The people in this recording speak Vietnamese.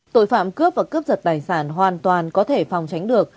tội phạm cướp và cướp giật tài sản hoàn toàn có thể phòng tránh được